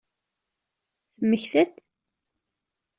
Temmekta-d?